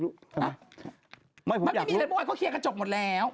มันไม่มีอะไรบ้างเขาเคลียร์กระจกหมดแล้ว